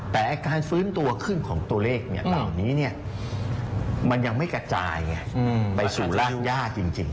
แต่การฟื้นตัวขึ้นของตัวเลขเนี่ยตอนนี้เนี่ยมันยังไม่กระจายไปสู่รากยากจริง